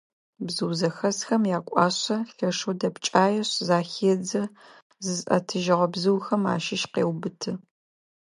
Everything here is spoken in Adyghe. Бзыу зэхэсхэм якӏуашъэ, лъэшэу дэпкӏаешъ, захедзэ, зызыӏэтыжьыгъэ бзыухэм ащыщ къеубыты.